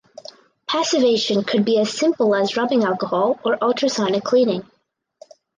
Passivation could be as simple as rubbing alcohol or ultrasonic cleaning.